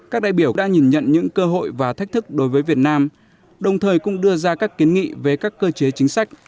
các đại biểu đã nhìn nhận những cơ hội và thách thức đối với việt nam đồng thời cũng đưa ra các kiến nghị về các cơ chế chính sách